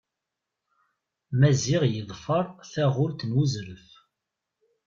Maziɣ yeḍfer taɣult n Uẓref.